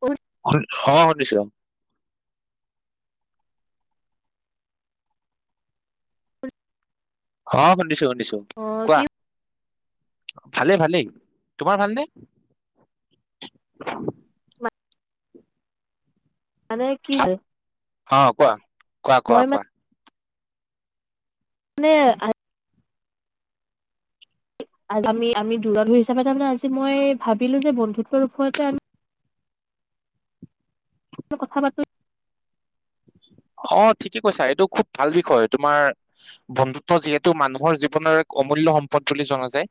অ, অ শুনিছো। হ শুনিছোঁ। দিছো কোৱা কি ভালেই ভালেই তোমাৰ ভালনে মানে কি যে ভা- অ কোৱা কোৱা কোৱা কোৱা মানে আমি আমি দূৰ হিচাপে তাৰে আজি মই ভাবিলো যে বন্ধুত্ব ৰূপোৱাতে আমি কথা পাতো অ ঠিকে কৈছা ।এইটো খুব ভাল বিষয় তোমাৰ বন্ধুত্ব যিহেতু মানুহৰ জীৱনৰ, এক অমূল্য সম্পদ, বুলি জনা যায়।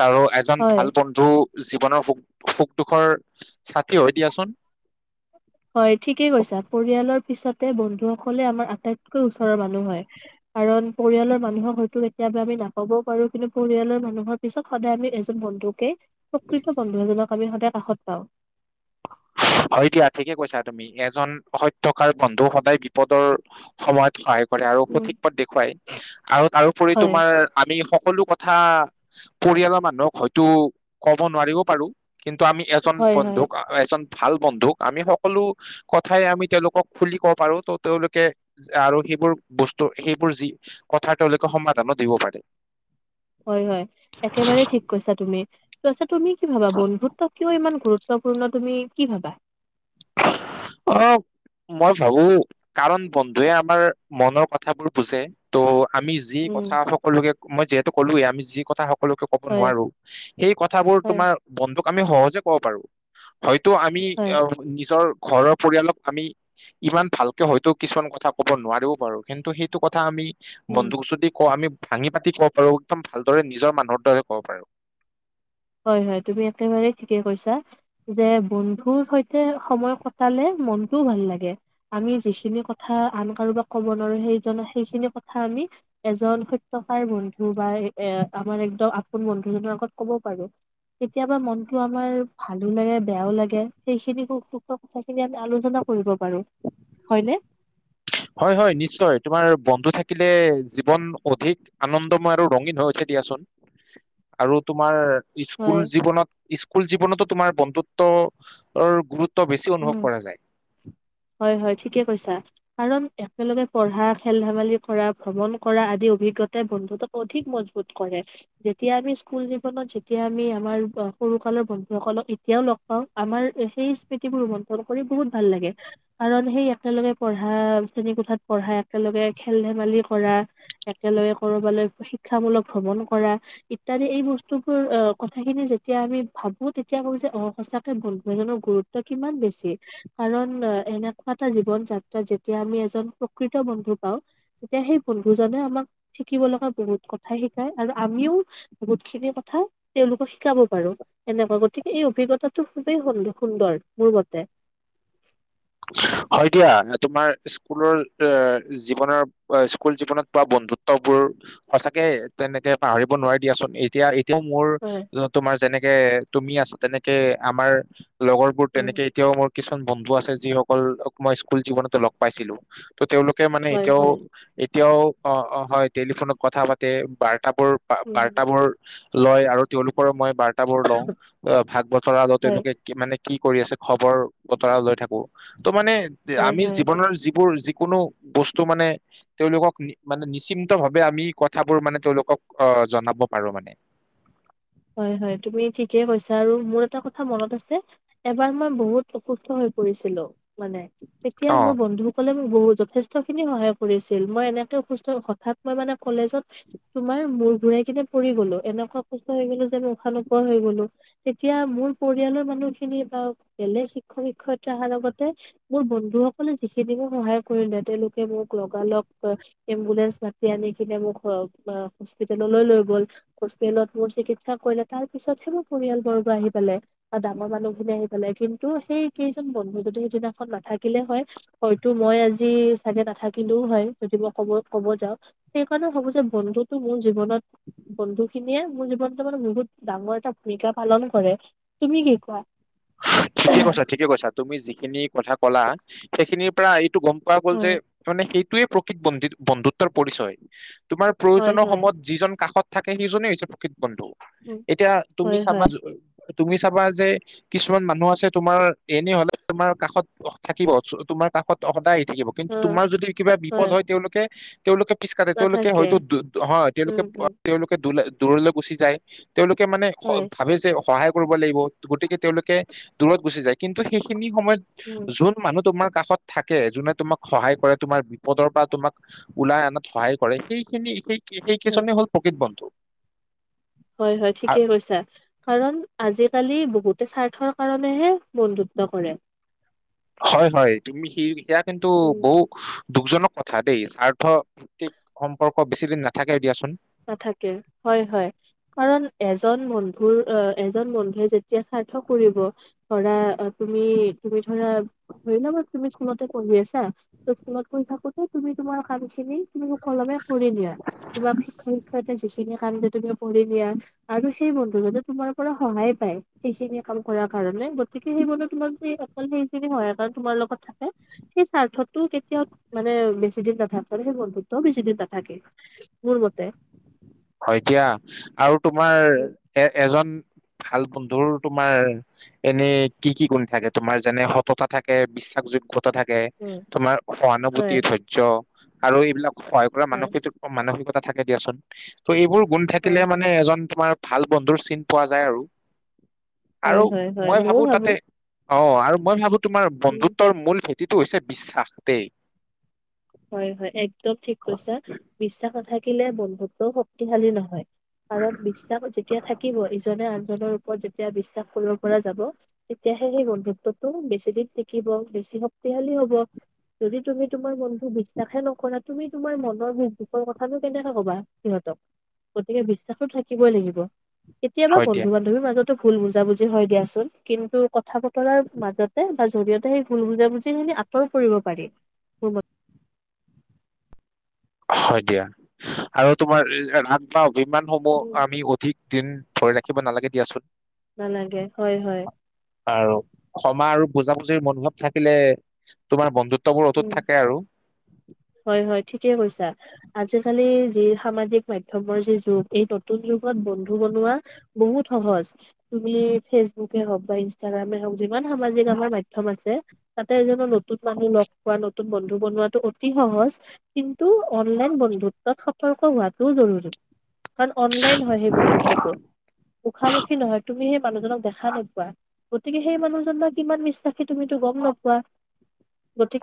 তাৰো এজন হয় ভাল বন্ধু জীৱনৰু সুখ দুখৰ চাকি হৈ দিয়াচোন। হয় ঠিকেই কৈছা পৰিয়ালৰ পিছতে বন্ধুসকলে আমাৰ আটাইতকৈ ওচৰৰ মানুহ হয়। কাৰণ পৰিয়ালৰ মানুহক হয়তো কেতিয়াবা আমি নাপাবও পাৰো কিন্তু পৰিয়ালৰ মানুহৰ পিছত সদায় আমি এজন বন্ধুকে প্ৰকৃত বন্ধু এজনক আমি সদায়। কাখত পাঁও হয় দিয়া ঠিকে কৈছা। তুমি এজন সত্যকাৰ বন্ধু সদায় বিপদৰ সময়ত সহায় আৰু উম, সঠিক পথ দেখুৱাই আৰু তাৰোপৰি হয়, তোমাৰ আমি। সকলো কথা পৰিয়ালৰ মানুহক হয়তো কব নোৱাৰিব পাৰো কিন্তু আমি এজন হয়, হয়। বন্ধু এজন ভাল বন্ধুক আমি সকলো কথাই আমি তেওঁলোকক খুলি কব পাৰো ত তেওঁলোকে আৰু সেইবোৰ বস্তু সেইবোৰ যি কথাৰ তেওঁলোকে সমাধানো দিব পাৰে। হয় হয় একেবাৰে ঠিক কৈছা তুমি [inaudible] তুমি কি ভাবা বন্ধুত্ব কিয় ইমান গুৰুত্ব গুৰুত্বপূৰ্ণ তুমি কি ভাবা অ মই ভাবো কাৰণ বন্ধুৱে আমাৰ মনৰ কথাবোৰ বুজে ত'- আমি যি উম কথা সকলোকে মই যিহেতু ক'লোয়ে আমি যি কথাও সক সকলোকে ক'ব হয় নোৱাৰো সেই কথাবোৰ হয় তোমাৰ বন্ধু ক আমি সহজে ক'ব পাৰো হয় যিটো আমি হয় অ নিজৰ ঘৰৰ পৰিয়ালক আমি ইমান ভালকে হয়তো কিছুমান কথা কব নোৱাৰিও বাৰু কিন্তু সেইটো কথা আমি উম বন্ধুক যদি কওঁ আমি ভাঙি পাতি কব পাৰো একদম ভালদৰে নিজৰ মানুহৰ দৰে ক'ব পাৰো হয় হয় তুমি একেবাৰেই ঠিকে কৈছা যে বন্ধুৰ সৈতে সময় কটালে মনটোও ভাল লাগে আমি যিখিনি কথা আন কাৰোবাক কব নোৱাৰো সেই সেইখিনি কথা আমি এজন সত্য যকাৰ বন্ধু বা এ আমাৰ একদম আপোন বন্ধু জনৰ আগত কব পাৰো কেতিয়াবা মনতটো আমাৰ ভালো লাগে বেয়াও লাগে সেইখিনিখ দুখৰ কথাখিনি আমি আলোচনা কৰিব পাৰো হয়নে হয় হয় নিশ্চয় তোমাৰ বন্ধু থাকিলে জীৱন অধিক আনন্দময় আৰু ৰঙীন হৈ উঠে দিয়াচোন আৰু তোমাৰ স্কুল হয়, জীৱনত স্কুল জীৱনতো তোমাৰ বন্ধুত্ব গুৰুত্ব বেছি অনুভৱ উম কৰা যায়। হয় হয় ঠিকে কৈছা কাৰণ একেলগে পঢ়া খেল ধেমালি কৰা ভ্ৰমন কৰা আদি অভিজ্ঞতাই বন্ধুতোক অধিক মজবুত কৰে যেতিয়া আমি স্কুল জীৱনত যেতিয়া আমি আমাৰ সৰু কালৰ বন্ধু সকলক এতিয়াও লগ পাওঁ আমাৰ সেই স্মৃতিবোৰ মন চন কৰি বহুত ভাল লাগে কাৰণ সেই একেলগে পঢ়া শ্ৰেণী কোঠাত পঢ়া একেলগে খেল ধেমালি কৰা একেলগে কৰবালৈ শিক্ষামূলক ভ্ৰমণ কৰা ইত্যয়াদি এই বস্তুবোৰ আহ কথাখিনি যেতিয়া আমি ভাবো তেতিয়া ক যে সঁচাকে বন্ধু এজনৰ গুৰুত্ব গুৰুত্ব কিমান বেছি কাৰণ এনেকুৱা এটা জীৱন যাত্ৰাত যেতিয়া আমি এজন প্ৰকৃত বন্ধু পাওঁ তেতিয়া সেই বন্ধুজনে আমাক শিকিব লগা বহুত কথাাই শিকায় আৰু আমিও বহুতখিনি কথা তেওঁলোকক শিকাব পাৰো এনেকুৱা গতিকে এই অভিজ্ঞতাটো খুবেই সু সুন্দৰ মোৰ মতে হয় দিয়া তোমাৰ স্কুলৰ এ জীৱনৰ স্কুল জীৱনত পোৱা বন্ধুত্ববোৰ সঁচাকে তেনেকে পাহৰিব নোৱাৰি দিয়াচোন এতিয়া তেওঁ হয় মোৰ তোমাৰ যেনেকে তুমি আছা তেনেকে আমাৰ লগৰবোৰ উম তেনেকে এতিয়াও মোৰ কিছু বন্ধু আছে যিসকল মই স্কুল জীৱনতো লগ পাইছিলো তো তেওঁলোকে মানে হয় এতিয়াও হয় তেওঁ অ অ হয় টেলিফোনত কথা পাতে বাৰ্তা বাৰ্তাবোৰ উম বাৰ্তাবোৰ লয় আৰু তেওঁলোকৰো মই বাৰ বাৰ্তা বোৰ লওঁ অ ভাগ বছৰ আগত হয় তেওঁলোকে মানে কি কৰি আছে খবৰ বতৰা লৈ থাকোঁ তো মানে হয় আমি হয় জীৱনৰ যিবোৰ কোনো বস্তু মানে তেওঁলোকক মানে নিশ্চিন্ত ভাৱে আমি কথাবোৰ মানে তেওঁলোকক আহ জনাব পাৰো মানে হয় হয় তুমি ঠিকেই কৈছা আৰু মোৰ এটা কথা মনত আছে এবাৰ মই বহুত অসুস্থ হৈ পৰিছিলো মানে তেতিয়া অ মোৰ বন্ধুসকলে বহু যথেষ্ট খিনি সহায় কৰিছিল মই এনেকে সুস্থ হঠাৎ মই মানে কলেজত তোমাৰ মূৰ ঘুৰাই কিনে পৰি গলো এনেকুৱা মই উশান নোপোৱা হৈ গলো তেতিয়া মোৰ পৰিয়ালৰ মানুহখিনি বা বেলেগ শিক্ষক শিক্ষয়িত্ৰী অহাৰ লগতে মোৰ বন্ধুসকলে যিখিনিক মে সহায় কৰিলে তেওঁলোকে মোক লগালগ এম্বুলেন্ঞ্চ মাতি আনি কিনে মোক হস্পিতেললৈ লৈ গল হস্পিতেল মোৰ চিকিৎসা কৰিলে তাৰ পিছতহে মোৰ পৰিয়াল বৰ্গ আহি পালে বা ডাঙৰ মানুহখিনি আহি পালে কিন্তু সেই কেইজন বন্ধু যদি সিদিনাখন নাথাকিলে হয় হয়তো মই আজি চাগে নাথাকিলেও হয় যদি মই কব কব যাওঁ সেইকাৰণে ভাবো যে বন্ধুতটো মোৰ জীৱনত বন্ধু খিনিয়ে মোৰ জীৱনতো মানে বহুত ডাঙৰ এটা ভূমিকা পালন কৰে তুমি কি কোৱা। ঠিকে কৈছা ঠিকে কৈা তুমি যিখিনি কথা। কলা সেইখিনিৰ পৰা টো গম পোৱা গ'ল যে হয় সেই য়ে প্ৰকৃত বিন্ধ বন্ধুত্বৰ পৰিচয়। তোমাৰ হয় প্ৰয়োজনৰ হয় সময়ত যিজন কাষত। থাকে সিজনেই হৈছে প্ৰকৃত বন্ধু উম এতিয়া তুমি হয় চাবা। হয় তুমি চাবা যে কিছুমান মানুহ আছে তোমাৰ এনে হলে তোমাৰ কাষত থাকিব তোমাৰ কাষত সদায়। থাকিব কিন্তু অ তোমাৰ যদি কিবা বিপদ হয় তেওঁলোকে তেওঁলোকে পিছকাতে তেওঁলোকে নাথাকে হয়তো দু তেওঁলোকে উম উম তেওঁলোকে দুলা দূৰলৈ গুচি যায়। তেওঁলোকে মানে হয় ভাবেই যে সহায় কৰিব লাগিব গতিকে তেওঁলোকে দূৰত গুচি যায় কিন্তু সেইখিনি সময়ত উম যোন মানুহ তোমাৰ। কাষত থাকে যোনে তোমাক সহায় কৰে তোমাৰ বিপদৰ পৰা তোমাক ওলাই আনাত সহায় কৰে সেইখিনি সেই সেই হয় কিছুমান হ'ল প্ৰকৃত বন্ধু। হয় হয় ঠিকেই কৈছা। কাৰণ আজিকালি বহুতে স্বাৰ্থৰ কাৰণেহে বন্ধুত্ব কৰে। হয় হয় তুমি সি ইয়াক। কিন্তু উম বহু দুখজনক কথা দেই স্বাৰ্থ ভিত্তিক সম্পৰ্ক বেছিদিন নাথাকে দিয়াচোন। নাথাকে হয় হয় কাৰণ এজন বন্ধুৰ আহ এজন বন্ধুৱে যেতিয়া স্বাৰ্থ কৰিব ধৰা তুমি তুমি ধৰা ধৰি লবা তুমি স্কুলতে পঢ়ি আছা স্কুলত পঢ়ি থাকোতে তুমি তোমাৰ কাম খিনি তুমি। ফুৰি দিয়া কিবা। যিখিনি কাম যে তুমি কৰি নিয়া আৰু সেই বন্ধু যদি তোমাৰ পৰা সহায় পায় সেইখিনি কাম কৰাৰ কাৰণে গতিকে সেই বন্ধু তোমাৰ অকল সেইখিনি সহায় কাৰ তোমাৰ লগত থাকে সেই স্বাৰ্থতো কেতিয়াও মানে বেছি দিন নাথাকে সেই বন্ধুতও বেছি দিন নাথাকে মোৰ মতে তে হয় এতিয়া আৰু তোমাৰ উম এ এজন ভাল বন্ধুৰ তোমাৰ এনেই কি কি গুণ থাকে তোমাৰ যেনে সততা থাকে বিশ্বাসযোগ্য থাকে উম, তোমাৰ হয়, সহানুভূতি ধৈৰ্য্য আৰু এইবিলাক সহায় কৰা হয়, মানসিক মানসিকতা থাকে দিয়াচোন। ত' এইবোৰ গুণ থাকিলে হয়, মানে এজন তোমাৰ ভাল বন্ধুৰ চিন পোৱা যায় আৰু হয়, আৰু হয়, হয়, মই ময়ো ভাবো তাতে অ আৰু মই ভাবো। তোমাৰ উম, বন্ধুত্ব মূল হৈছে বিশ্বাসতেই হয় হয় এক দম ঠিক কৈছা বিশ্বাস কথাই। থাকিলে বন্ধুত্ব শক্তিশালী নহয় কাৰণ বিশ্বাস যেতিয়া থাকিব ইজনে আনজনৰ ওপৰত যেতিয়া বিশ্বাস কৰিব পৰা যাব তেতিয়াহে সেই বন্ধুত্বটো বেছি দিন থাকিব বেছি শক্তিশালী হব যদি তুমি তোমাৰ বন্ বিশ্বাসে নকৰা তুমি তোমাৰ মনৰ দুখ দুখৰ কথাটো কেনেকে কবা সিহঁতক গতিকে বিশ্বাসো থাকিবই লাগিব। কেতিয়াবা হয় দিয়া। বন্ধু বান্ধৱীৰ মাজত। ভুল বুজ বুজি হয় দিয়া চোন কিন্তু কথা। কৰাৰ মাজতে তাৰ জৰিয়তে সেই গুল বুজাবুজি খিনি আঁতৰ কৰিব পাৰি। হয় দিয়া আৰু তোমাৰ ৰা পাও উম, বিমানসমূহ আমি অধিক দিন। ধৰি ৰাখিব নালাগে দিয়াচোন। নানাগে হয় হয়। আৰু ক্ষা আৰু বুজাবুজিৰ মনোভাৱ থাকিলে তোমাৰ বন্ধুত উম হয় হয় ঠিকে কৈছা। আজিকালি যি সামাজিক মাধ্য়মৰ যি যুগ এই নতুন যুগত বন্ধু বনোৱা বহুত সহজ তুমি ফেচবুকে হওক বা ইনষ্টাগ্ৰামে হওক যিমান সামাজিক আমাৰ মাধ্য়ম আছে তাতে এজনো নতুন মানুহ লগ পোৱা নতুন বন্ধু বনোৱাটো অতি সহজ কিন্তু অনলাইন বন্ধুত্বত সতৰ্ক হোৱাাতটোও জৰুৰী। কাৰণ অনলাইন হয় সেই বন্ধুত্বতো মুখামুখি নহয় তুমি সেই মানুহজনক দেখা নোকোৱা গতিকে সেই মানুহজন বা কিমান বিশ্বাসী তুমিতো গম নপোৱা।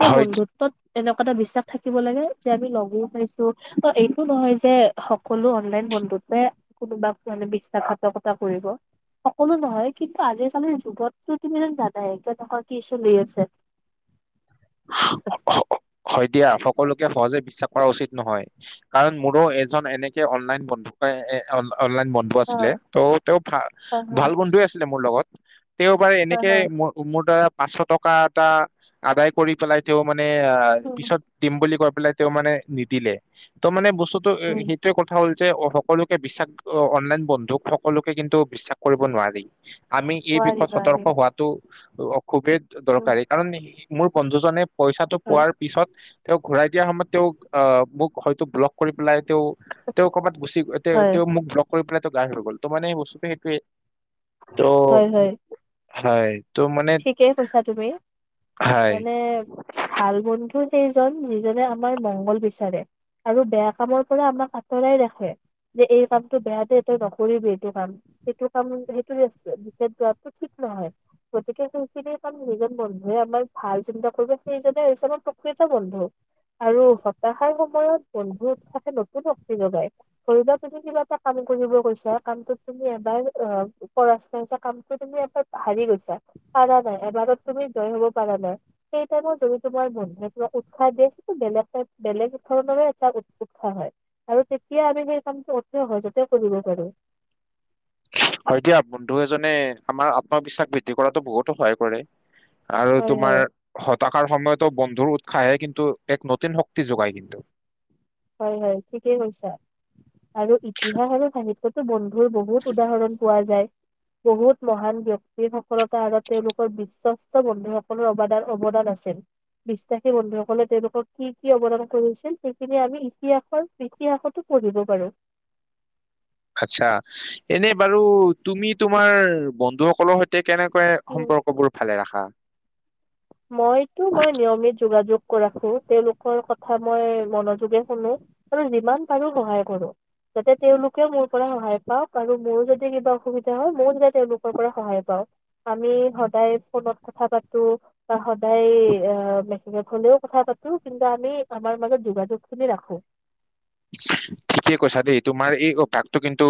হয় বন্ধুত্বত এনেকুৱা এটা বিশ্বাস থাকিব লাগে যে আমি লগোও খাইছো ত এইটো নহয় যে সকলো অনলাইন বন্ধুতে কোনোবাক মানে বিশ্বাসঘাতকতা কৰিব সকলো নহয় কিন্তু আজিিকালিৰ যুগতো কিিমান দাদাহ কনেকুৱা কি চ লি আছে? হয় দিয়া সকলোকে সহজে বিশ্বাস কৰা উচিত নহয় কাৰণ মোৰো এজন এনেকে অনলাইন বন্ধুক অনলাইন বন্ধু অ আছিলে ত' তেওঁ ভা হয় হয় ভাল বন্ধুে আছিলে মোৰ লগত তেওঁওবাৰে হয় এনেকে হয় মোৰ দাৰা পাঁচশ টকা এটা আদায় কৰি পেলাই তেওঁ। মানে উম পিছত দিম বুলি ক তেওঁ মানে নিদিলে ত মানে ব উম সেইটোৱে কথা হল যে সকলোকে বিশ্বাস অ অনলাইন বন্ধুক সকলোকে কিন্তু বিশ্বাস কৰিব নোৱাৰি। আমি এই নোৱাৰি বিষয়ত নোৱাৰি সতৰ্ক হোৱাটো অলপ খুবেই উম দৰকাৰী কাৰণ মোৰ বন্ধুজনে পইচাটো হয় পোৱাৰ পিছত তেওঁক ঘূৰাই দিয়া সময়ত তেওঁক আহ মোক হয়তো ব্লক কৰি পেলাই তেওঁ তেওঁ কৰবাত গুচি গ তেওঁ হয় তেওঁ মোক ব্লক কৰি পেলাই তো গা হৈ গ'ল তো মানে বস্তুটো সেইটোৱে ত হয় হয় হয় ত' মানে ঠিকেই কৈছা তুমি হয় মানে ভাল বুল বন্ধু সেইজন যিজনে আমাৰ মংগল বিচাৰে আৰু বেয়া কামৰ পৰা আমাক আঁতৰাই ৰাখে যে এই কামটো বেয়াদেই তই নকৰিবি এইটো কাম সেইটো কাম সেইটো ৰাস্তে যোৱাটো ঠিক নহয় । গতিকে সেইখিনি কাৰ যিজন বন্ধুৱে আমাৰ ভাল চিন্তা কৰিব সেইজনে হৈছে আমাৰ প্ৰকৃত বন্ধু আৰু হতাশাৰ সময়ত বন্ধু থাকে নতুন শক্তি যোগাই ধৰিবা তুমি কিবা এটা কাম কৰিব গৈছা কামটোত তুমি এবাৰ পৰাস্ত হৈছা কামটো তুমি এবাৰ হাৰি গৈছা, পৰানাই এবাৰত তুমি জয় হব পাৰা নাই সেই তাইমত যদি তোমাৰ মন উৎসাহ দিয়ে বেলেগ বেলেগ ধৰণৰে এটা উৎসাহ হয় আৰু তেতিয়া আমি সেই কামটো অতি সহজতে কৰিব পাৰো‌ । হয় দিয়া বন্ধু এজনে আমাৰ আত্মবিশ্বাস বৃদ্ধি কৰাতো বহুতো সহায় কৰে । আৰু হয় হয় তোমাৰ হতাশাৰ সময়তো বন্ধু দূৰ উৎসাহে কিন্তু এক নতুন শক্তি যোগায় কিন্তু হয় হয় ঠিকেই কৈছা চ বন এইবোৰ বহুত উদাহৰণ পোৱা যায় বহুত মহান ব্যক্তি সফলতা আৰু তেওঁলোকৰ বিশ্বাস বন্ধুসকলৰ অৱদান অৱদান আছিল বিশ্বাসী বন্ধুসকলে তেওঁলোকক কি কি অৱদান কৰিছিল সেইখিনি আমি ইতিহাসৰ ইতিহাসতো পঢ়িব পাৰো। আচ্ছা এনে বাৰু তুমি তোমাৰ বন্ধুসকলৰ সৈতে- কেনেকৈ উম সম্পৰ্ক বোৰ ভালে ৰাখা? মইতো মই নিয়মিত যোগাযোগ কৰি ৰাখো তেওঁলোক কথা মই মনোযোগে শুনো আৰু যিমান পাৰো সহায় কৰো যাতে তেওঁলোকেও মোৰ পৰা সহায় পাওক আৰু মোৰো যদি কিবা অসুবিধা হয় মইও যাতে তেওঁলোকৰ পৰা সহায় পাওঁ আমি সদায় ফোনত কথা পাতো, বা সদায় মেছেজত হলেও কথা পাতো কিন্তু আমি আমাৰ মাজত যোগাযোগ খিনি ৰাখো । ঠিকে কৈছা দেই তোমাৰ এই অভ্যাসটো কিন্তু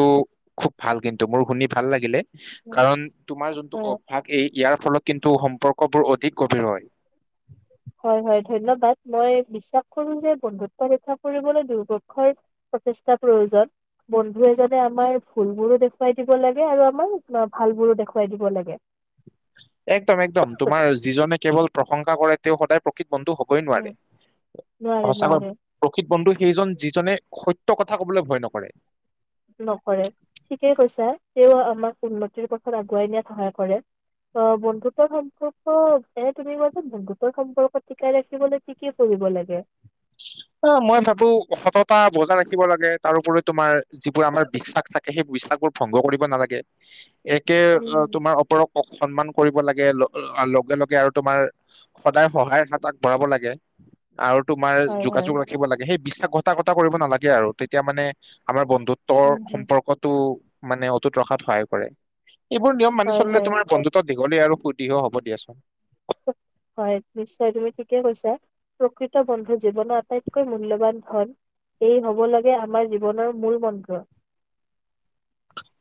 খুব ভাল কিন্তু মোৰ শুনি ভাল লাগিলে‌ । কাৰণ তোমাৰ যোনটো হয় অভ্যাস এই ইয়াৰ ফলত কিন্তু সম্পৰ্কবোৰ অধিক গভীৰ হয় । হয় হয় ধন্যবাদ মই বিশ্বাস কৰো যে বন্ধুত্ব ৰক্ষা কৰিবলৈ দুদৰ্ক্ষৰ প্ৰচেষ্টা প্ৰয়োজন বন্ধু এজনে আমাৰ ভুল বোৰো দেখুৱাই দিব লাগে আৰু আমাৰ ভাল বোৰো দেখুৱাই দিব লাগে । একদম এক্দম তোমাৰ যিজনে কেৱল, প্ৰশংসা কৰে তেওঁ সদায় প্ৰকৃত বন্ধু হ'বই উম, নোৱাৰে নোৱাৰে সঁচাকৈ নোৱাৰে প্ৰকৃত বন্ধু সেইজন যিজনে সত্য কথা কবলৈ ভয় নকৰে। নকৰে ঠিকেই কৈছে । তেওঁ আমাক উন্নতিৰ পথত আগুৱাই নিয়াত সহায় কৰে । অ' - বন্ধুত্বৰ সম্পৰ্ক এ তুমি [unintelligible] বন্ধুত্বৰ সম্পৰ্ক টিকাই ৰাখিবলৈ কি কি কৰিব লাগে? অ' মই ভাবো সততা বজাই ৰাখিব লাগে তাৰোপৰিও তোমাৰ যিবোৰ আমাৰ বিশ্বাস থাকে সেই বিশ্বাসবোৰ ভংগ কৰিব নালাগে। একে উম হম তোমাৰ ওপৰক কক সন্মান কৰিব ল - আ - লগে লগে আৰু তোমাৰ সদায় সহায়ৰ হাত আগবঢ়াব লাগে আৰু তোম হয় হয় যোগাযোগ ৰাখিব লাগে সেই বিশ্বাস ঘটা কটা কৰিব নালাগে আৰু তেতিয়া মানে আমাৰ বন্ ন্ধুত্বৰ উম হম সম্পৰ্কতো মানে অটুট ৰখাত সহায় কৰে। এইবোৰ নিয়ম মানি হয় চলিলে হয় তোমাৰ বন্ধত্বত দীঘলীয়া আৰু ফূৰ্তিহে হ'ব দিয়াচোন। হয় নিশ্চয় তুমি ঠিকে কৈছা প্ৰকৃত বন্ধু জীৱনৰ আটাইতকৈ মূল্যবান ধন এই হব লাগে আমাৰ জীৱনৰ মূল মন্ত্ৰ।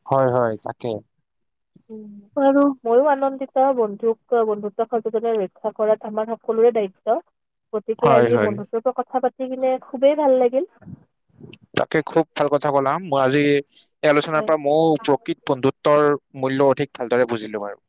হয় হয় তাকে। উম। আৰু মইও আনন্দি ত বন্ধুক - বন্ধুত্ব সচেতনে ৰক্ষা কৰাত আমাৰ সকলোৰে দায়িত্ব। গতিকে হয় আজি হয় বন্ধুত্বৰওপৰত পৰা কথা পাত তি কিনে খুবেই ভাল লাগ তাকে খুব ভাল কথা কলা, মই আজি এই আলোচনাৰ হয় পৰা মও প্ৰকৃত বন্ধুত্বৰ মূল্য অধিক ভালদৰে বুজিলুং আৰু।